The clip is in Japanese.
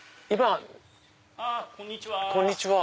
こんにちは。